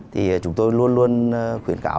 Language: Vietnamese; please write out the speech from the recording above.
thì chúng tôi luôn luôn khuyến cáo